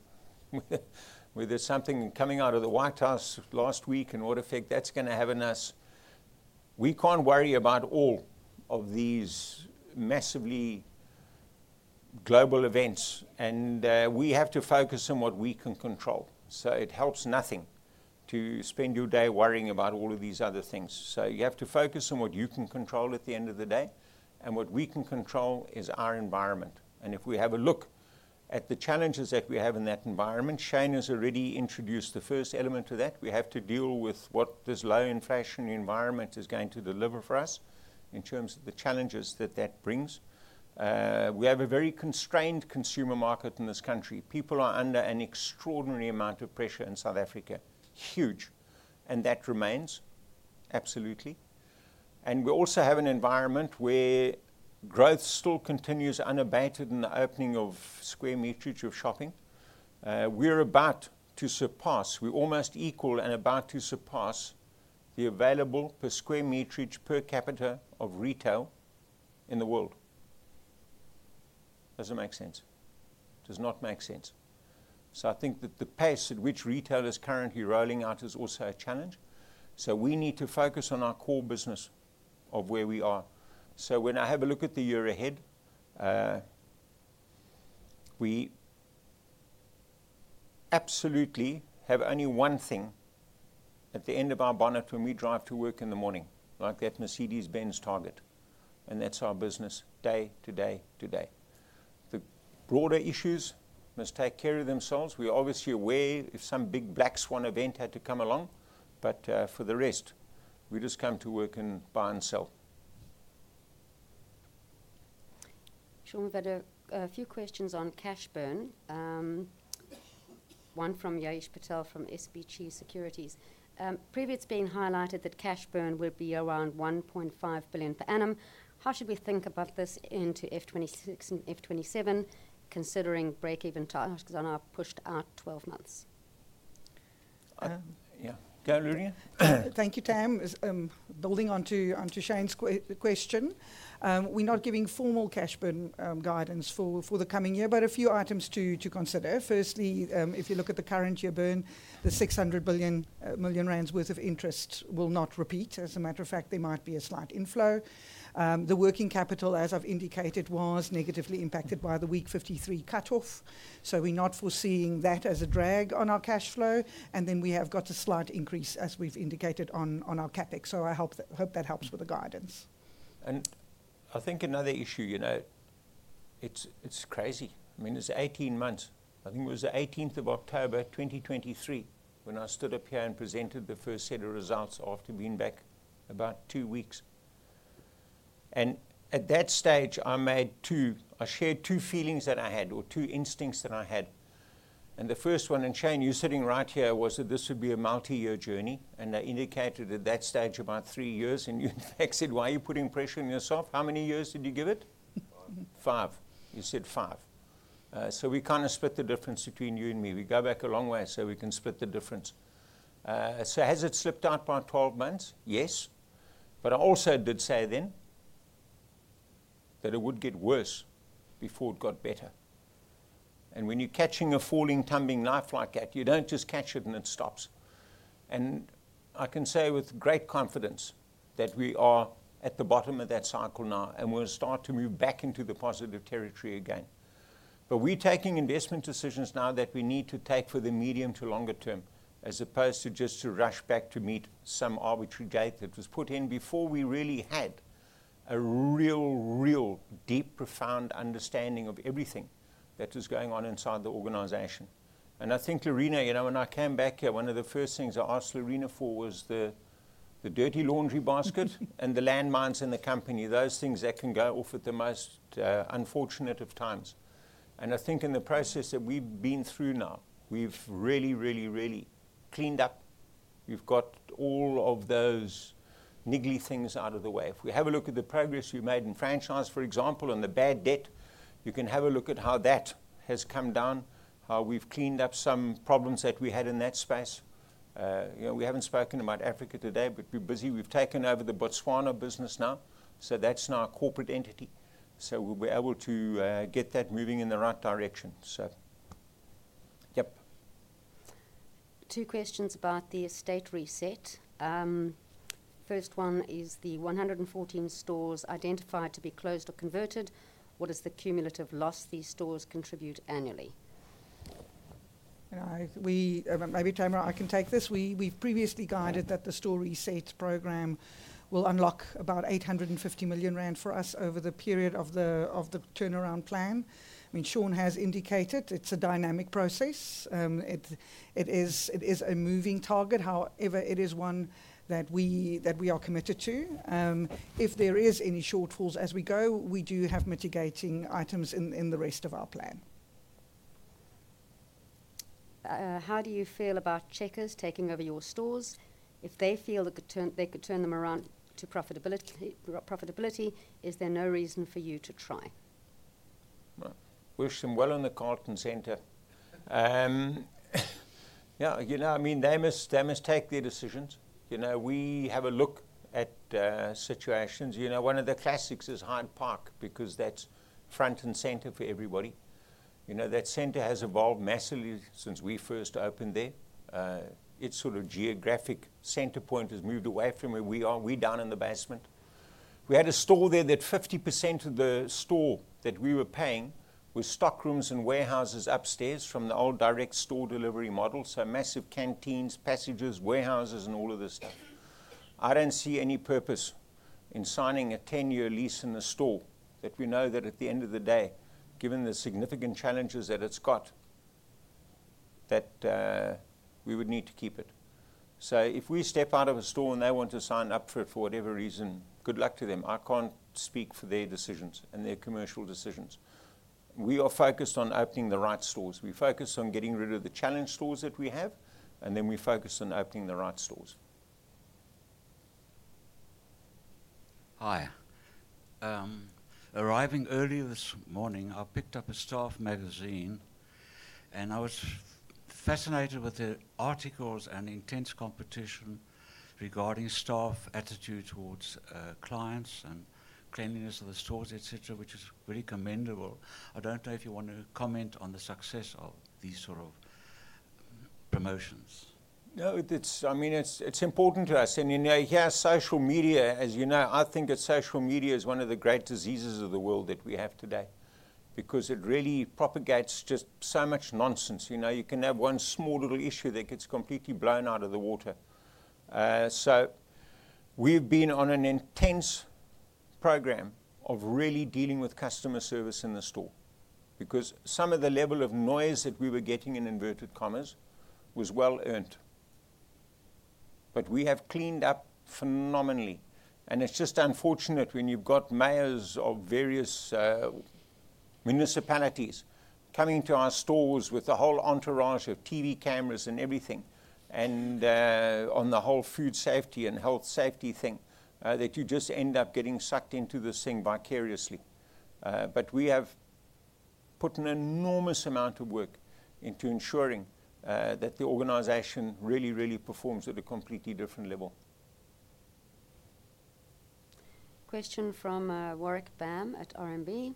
Whether it is something coming out of the White House last week and what effect that is going to have on us, we cannot worry about all of these massively global events. We have to focus on what we can control. It helps nothing to spend your day worrying about all of these other things. You have to focus on what you can control at the end of the day. What we can control is our environment. If we have a look at the challenges that we have in that environment, Sean has already introduced the first element to that. We have to deal with what this low inflation environment is going to deliver for us in terms of the challenges that that brings. We have a very constrained consumer market in this country. People are under an extraordinary amount of pressure in South Africa. Huge. That remains, absolutely. We also have an environment where growth still continues unabated in the opening of m² of shopping. We are about to surpass. We are almost equal and about to surpass the available per m² per capita of retail in the world. Does it make sense? Does not make sense. I think that the pace at which retail is currently rolling out is also a challenge. We need to focus on our core business of where we are. When I have a look at the year ahead, we absolutely have only one thing at the end of our bonnet when we drive to work in the morning, like that Mercedes-Benz Target. That is our business day-to- day-to-day. The broader issues must take care of themselves. We are obviously aware if some big black swan event had to come along. For the rest, we just come to work and buy and sell. Sean, we have had a few questions on cash burn. One from Yahish Patel from SBQ Securities. Previously it has been highlighted that cash burn would be around 1.5 billion per annum. How should we think about this into F 2026 and F 2027, considering break-even targets are now pushed out 12 months? Yeah. Go, Lorena. Thank you, Tam. Building onto Shane's question, we're not giving formal cash burn guidance for the coming year, but a few items to consider. Firstly, if you look at the current year burn, the 600 million rand worth of interest will not repeat. As a matter of fact, there might be a slight inflow. The working capital, as I've indicated, was negatively impacted by the week 53 cutoff. We are not foreseeing that as a drag on our cash flow. We have got a slight increase, as we've indicated, on our CapEx. I hope that helps with the guidance. I think another issue, it's crazy. I mean, it's 18 months. I think it was the 18th of October, 2023, when I stood up here and presented the first set of results after being back about two weeks. At that stage, I shared two feelings that I had or two instincts that I had. The first one, and Shane, you're sitting right here, was that this would be a multi-year journey. I indicated at that stage about three years. You said, "Why are you putting pressure on yourself? How many years did you give it?" Five. Five. You said five. We kind of split the difference between you and me. We go back a long way so we can split the difference. Has it slipped out by 12 months? Yes. I also did say then that it would get worse before it got better. When you're catching a falling tumbling knife like that, you don't just catch it and it stops. I can say with great confidence that we are at the bottom of that cycle now, and we'll start to move back into the positive territory again. We are taking investment decisions now that we need to take for the medium to longer term, as opposed to just to rush back to meet some arbitrary date that was put in before we really had a real, real deep, profound understanding of everything that was going on inside the organisation. I think, Lorena, when I came back here, one of the first things I asked Lorena for was the dirty laundry basket and the landmines in the company. Those things that can go off at the most unfortunate of times. I think in the process that we've been through now, we've really, really, really cleaned up. We've got all of those niggly things out of the way. If we have a look at the progress we've made in franchise, for example, and the bad debt, you can have a look at how that has come down, how we've cleaned up some problems that we had in that space. We haven't spoken about Africa today, but we're busy. We've taken over the Botswana business now. That is now a corporate entity. We will be able to get that moving in the right direction so. Yeah. Two questions about the estate reset. First one is the 114 stores identified to be closed or converted. What is the cumulative loss these stores contribute annually? Maybe, Tamara, I can take this. We've previously guided that the store resets program will unlock about 850 million rand for us over the period of the turnaround plan. I mean, Sean has indicated it's a dynamic process. It is a moving target. However, it is one that we are committed to. If there is any shortfalls as we go, we do have mitigating items in the rest of our plan. How do you feel about Checkers taking over your stores? If they feel they could turn them around to profitability, is there no reason for you to try? We're sitting well in the Carlton Centre. Yeah. I mean, they must take their decisions. We have a look at situations. One of the classics is Hyde Park because that's front and center for everybody. That center has evolved massively since we first opened there. Its sort of geographic center point has moved away from where we are. We're down in the basement. We had a store there that 50% of the store that we were paying was stockrooms and warehouses upstairs from the old direct store delivery model. Massive canteens, passages, warehouses, and all of this stuff. I do not see any purpose in signing a 10-year lease in a store that we know that at the end of the day, given the significant challenges that it has got, that we would need to keep it. If we step out of a store and they want to sign up for it for whatever reason, good luck to them. I cannot speak for their decisions and their commercial decisions. We are focused on opening the right stores. We focus on getting rid of the challenge stores that we have, and then we focus on opening the right stores. Hi. Arriving early this morning, I picked up a staff magazine, and I was fascinated with the articles and intense competition regarding staff attitude towards clients and cleanliness of the stores, etc., which is really commendable.I don't know if you want to comment on the success of these sort of promotions. I mean, it's important to us. And you know, yeah, social media, as you know, I think that social media is one of the great diseases of the world that we have today because it really propagates just so much nonsense. You can have one small little issue that gets completely blown out of the water. We have been on an intense program of really dealing with customer service in the store because some of the level of noise that we were getting in inverted commas was well earned. We have cleaned up phenomenally. It's just unfortunate when you've got mayors of various municipalities coming to our stores with the whole entourage of TV cameras and everything, and on the whole food safety and health safety thing that you just end up getting sucked into this thing vicariously. We have put an enormous amount of work into ensuring that the organization really, really performs at a completely different level. Question from Warwick Bam at RMB.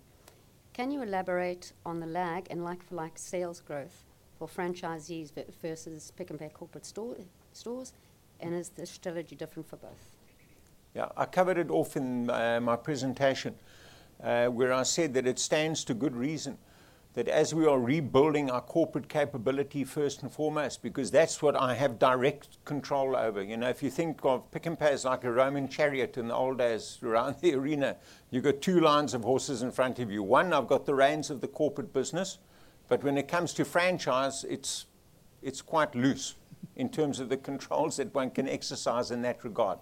Can you elaborate on the lag in like-for-like sales growth for franchisees versus Pick n Pay corporate stores? And is the strategy different for both? Yeah. I covered it off in my presentation where I said that it stands to good reason that as we are rebuilding our corporate capability first and foremost, because that's what I have direct control over. If you think of Pick n Pay as like a Roman chariot in the old days around the arena, you've got two lines of horses in front of you. One, I've got the reins of the corporate business. When it comes to franchise, it's quite loose in terms of the controls that one can exercise in that regard.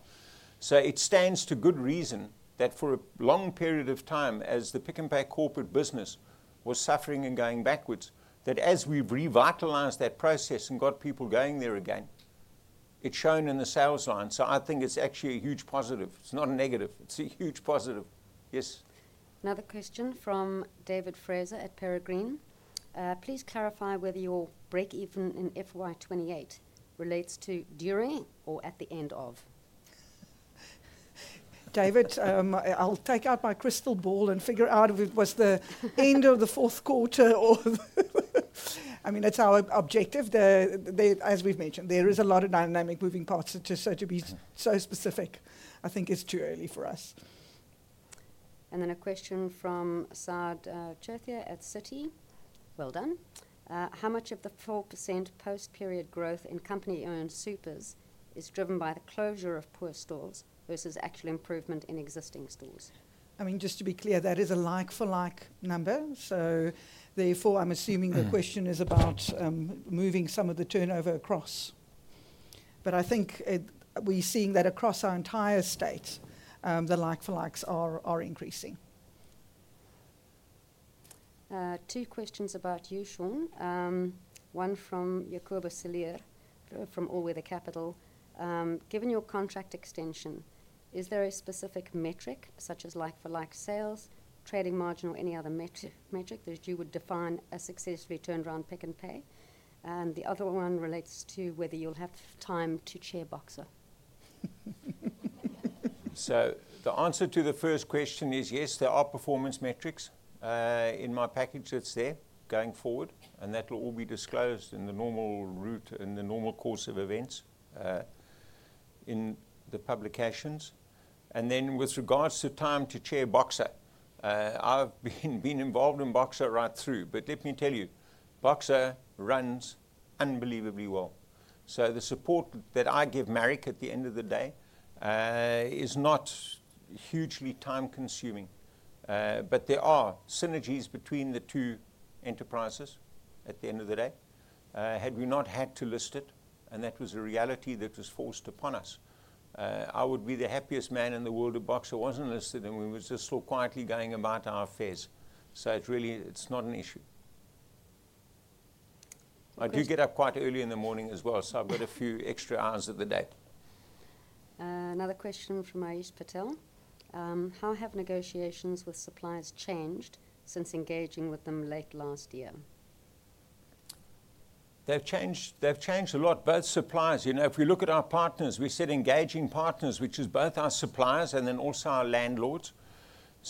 It stands to good reason that for a long period of time, as the Pick n Pay corporate business was suffering and going backwards, as we've revitalized that process and got people going there again, it's shown in the sales line. I think it's actually a huge positive. It's not a negative. It's a huge positive. Yes. Another question from David Fraser at Peregrine. Please clarify whether your break-even in FY 2028 relates to during or at the end of. David, I'll take out my crystal ball and figure out if it was the end of the fourth quarter or the, I mean, that's our objective. As we've mentioned, there is a lot of dynamic moving parts. To be so specific, I think, is too early for us. A question from Saad Cherthier at Citi. Well done. How much of the 4% post-period growth in company-owned supers is driven by the closure of poor stores versus actual improvement in existing stores? Just to be clear, that is a like-for-like number. Therefore, I'm assuming the question is about moving some of the turnover across. I think we're seeing that across our entire estate, the like-for-likes are increasing. Two questions about you, Sean. One from Yacoub Asselier from All Weather Capital. Given your contract extension, is there a specific metric such as like-for-like sales, trading margin, or any other metric that you would define a successfully turned-around Pick n Pay? The other one relates to whether you'll have time to chair Boxer. The answer to the first question is yes, there are performance metrics. In my package, it's there going forward. That'll all be disclosed in the normal route, in the normal course of events in the publications. With regards to time to chair Boxer, I've been involved in Boxer right through. Let me tell you, Boxer runs unbelievably well. The support that I give Marek at the end of the day is not hugely time-consuming. There are synergies between the two enterprises at the end of the day. Had we not had to list it, and that was a reality that was forced upon us, I would be the happiest man in the world if Boxer was not listed, and we would just sit quietly going about our affairs. It is not an issue. I do get up quite early in the morning as well, so I have a few extra hours of the day. Another question from Ayish Patel. How have negotiations with suppliers changed since engaging with them late last year? They have changed a lot, both suppliers. If we look at our partners, we said engaging partners, which is both our suppliers and then also our landlords.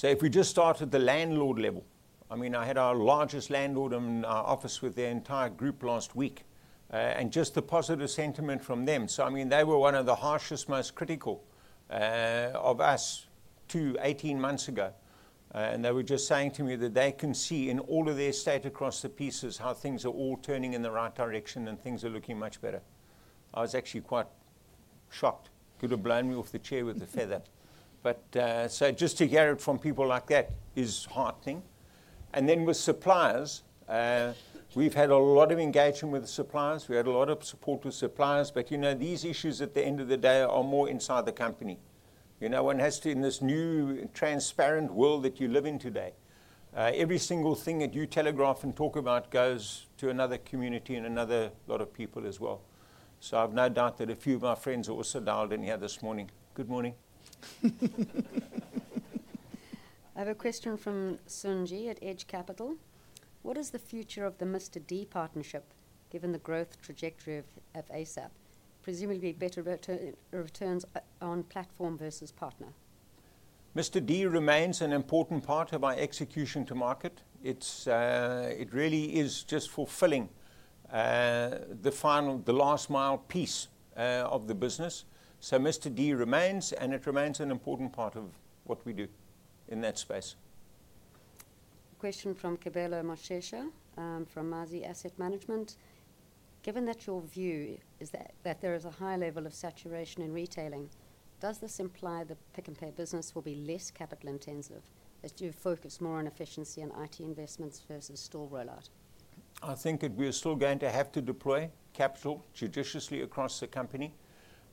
If we just start at the landlord level, I mean, I had our largest landlord in our office with their entire group last week, and just the positive sentiment from them. I mean, they were one of the harshest, most critical of us 18 months ago. They were just saying to me that they can see in all of their state across the pieces how things are all turning in the right direction and things are looking much better. I was actually quite shocked. Could have blown me off the chair with a feather. Just to get it from people like that is heartening. With suppliers, we've had a lot of engagement with the suppliers. We had a lot of support with suppliers. These issues at the end of the day are more inside the company. One has to, in this new transparent world that you live in today, every single thing that you telegraph and talk about goes to another community and another lot of people as well. I've no doubt that a few of our friends are also dialed in here this morning. Good morning. I have a question from Sunji at Edge Capital. What is the future of the Mr D partnership given the growth trajectory of ASAP? Presumably better returns on platform versus partner. Mr D remains an important part of our execution to market. It really is just fulfilling the last mile piece of the business. Mr D remains, and it remains an important part of what we do in that space. Question from Kibela Mashesha from Mazi Asset Management. Given that your view is that there is a high level of saturation in retailing, does this imply the Pick n Pay business will be less capital-intensive as you focus more on efficiency and IT investments versus store rollout? I think we're still going to have to deploy capital judiciously across the company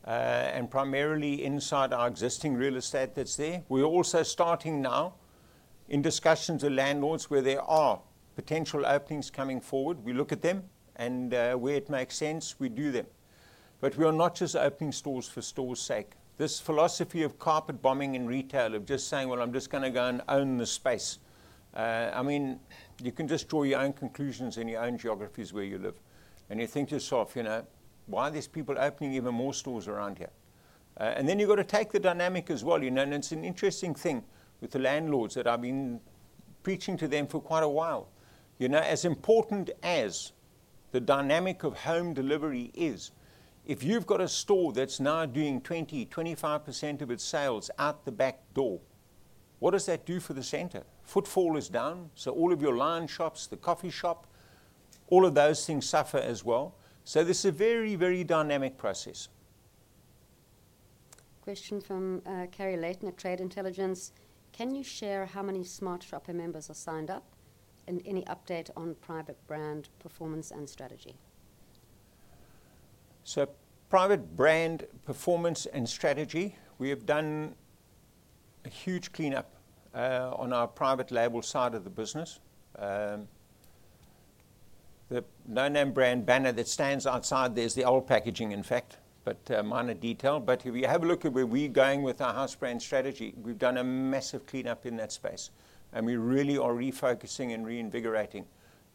and primarily inside our existing real estate that's there. We're also starting now in discussions with landlords where there are potential openings coming forward. We look at them, and where it makes sense, we do them. We are not just opening stores for store's sake. This philosophy of carpet bombing in retail of just saying, "Well, I'm just going to go and own the space." I mean, you can just draw your own conclusions in your own geographies where you live. You think to yourself, "Why are these people opening even more stores around here?" You have to take the dynamic as well. It's an interesting thing with the landlords that I've been preaching to them for quite a while. As important as the dynamic of home delivery is, if you've got a store that's now doing 20%-25% of its sales out the back door, what does that do for the centre? Footfall is down. All of your line shops, the coffee shop, all of those things suffer as well. This is a very, very dynamic process. Question from Kerry Leighton at Trade Intelligence. Can you share how many Smart Shopper members are signed up and any update on private brand performance and strategy? Private brand performance and strategy, we have done a huge cleanup on our private label side of the business. The No-Name brand banner that stands outside, there's the old packaging, in fact, but minor detail. If you have a look at where we're going with our house brand strategy, we've done a massive cleanup in that space. We really are refocusing and reinvigorating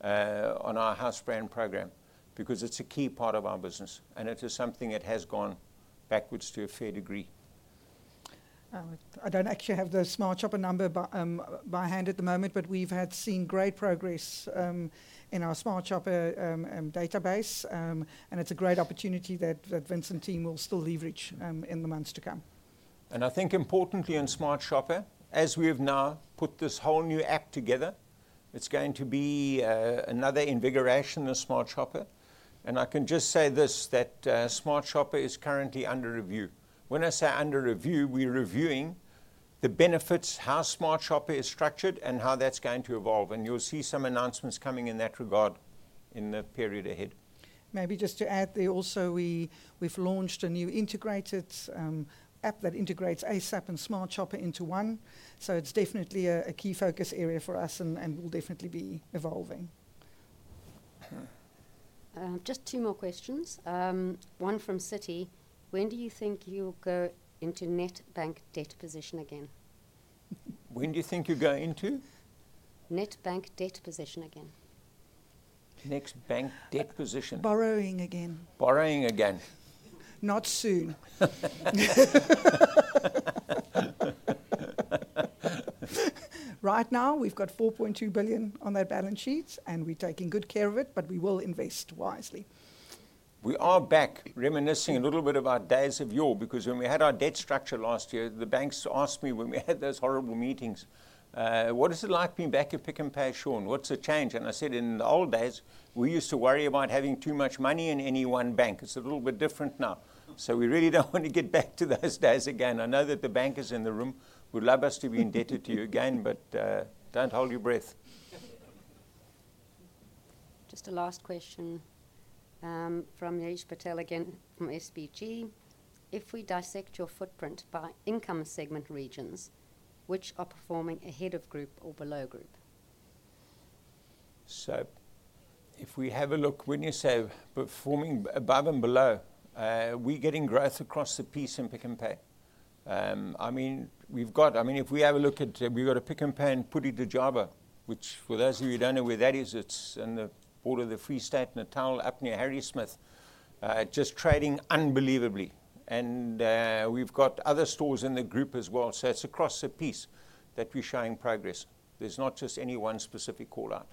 on our house brand program because it's a key part of our business. It is something that has gone backwards to a fair degree. I don't actually have the Smart Shopper number by hand at the moment, but we've seen great progress in our Smart Shopper database. It's a great opportunity that Vincent's team will still leverage in the months to come. I think importantly on Smart Shopper, as we have now put this whole new act together, it's going to be another invigoration of Smart Shopper. I can just say this, that Smart Shopper is currently under review. When I say under review, we're reviewing the benefits, how Smart Shopper is structured, and how that's going to evolve. You'll see some announcements coming in that regard in the period ahead. Maybe just to add, also we've launched a new integrated app that integrates ASAP and Smart Shopper into one. It is definitely a key focus area for us and will definitely be evolving. Just two more questions. One from Citi. When do you think you'll go into net bank debt position again? When do you think you'll go into Net bank debt position again. Next bank debt position. Borrowing again. Borrowing again. Not soon. Right now, we've got 4.2 billion on our balance sheets, and we're taking good care of it, but we will invest wisely. We are back reminiscing a little bit of our days of yore because when we had our debt structure last year, the banks asked me when we had those horrible meetings, "What is it like being back at Pick n Pay, Sean? What's the change?" I said, "In the old days, we used to worry about having too much money in any one bank. It's a little bit different now." We really do not want to get back to those days again. I know that the bankers in the room would love us to be indebted to you again, but do not hold your breath. Just a last question from Ayish Patel again from SBG. If we dissect your footprint by income segment regions, which are performing ahead of group or below group? If we have a look, when you say performing above and below, we are getting growth across the piece in Pick n Pay. I mean, if we have a look at, we've got a Pick n Pay in Phuthaditjhaba, which for those of you who don't know where that is, it's on the border of the Free State and the town of Harrismith, just trading unbelievably. We've got other stores in the group as well. It is across the piece that we're showing progress. There's not just any one specific call out.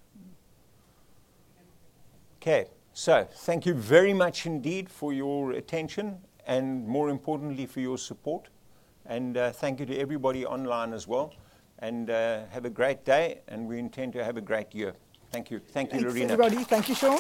Okay. Thank you very much indeed for your attention and more importantly for your support. Thank you to everybody online as well. Have a great day. We intend to have a great year. Thank you. Thank you, Lorena. Thank you, everybody. Thank you sean.